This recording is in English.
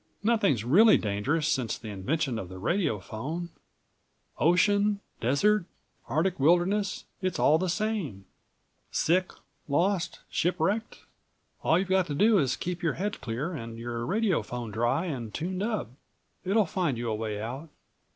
"Nothing's really dangerous since the invention of the radiophone. Ocean, desert, Arctic wilderness; it's all the same. Sick, lost, shipwrecked? All you've got to do is keep your head clear and your radiophone dry and tuned up. It'll find you a way out."